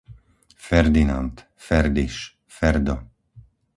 Ferdinand, Ferdiš, Ferdo